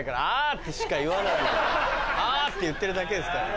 「あ」って言ってるだけですからね。